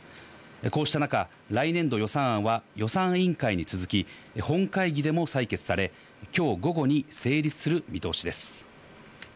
こうした中、来年度予算案は予算委員会に続き、本会議でも採決され、今日午後に成立する見通しです。